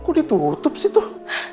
kok ditutup sih tuh